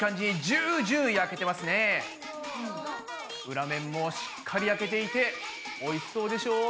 裏面もしっかり焼けていておいしそうでしょう？